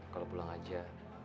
kalau pulang aja